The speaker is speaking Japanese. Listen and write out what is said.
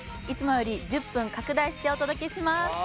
いつもより１０分拡大してお届けします。